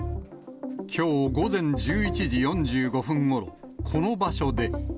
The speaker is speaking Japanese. きょう午前１１時４５分ごろ、この場所で。